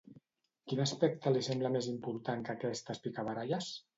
Quin aspecte li sembla més important que aquestes picabaralles?